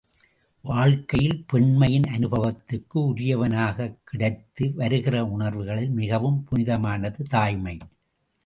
வாழ்க்கையில் பெண்மையின் அநுபவத்துக்கு உரியனவாகக் கிடைத்து வருகிற உணர்வுகளில் மிகவும் புனிதமானது தாய்மை.